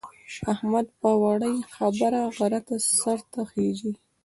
احمد په وړې خبره غره سر ته خېژي.